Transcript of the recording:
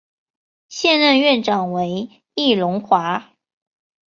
现任院长为易荣华。